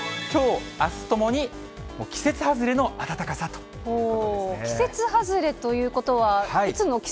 きょう、あすともに季節外れの暖かさということですね。